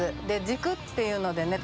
「軸」っていうのでね